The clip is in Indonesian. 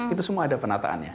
itu semua ada penataannya